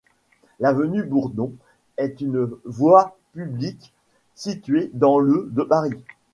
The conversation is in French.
L'avenue Boudon est une voie publique située dans le de Paris.